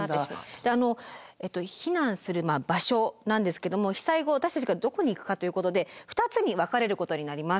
であの避難する場所なんですけども被災後私たちがどこに行くかということで２つに分かれることになります。